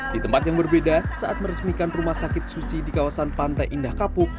di tempat yang berbeda saat meresmikan rumah sakit suci di kawasan pantai indah kapuk